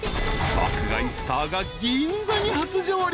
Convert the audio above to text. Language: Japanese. ［爆買いスターが銀座に初上陸］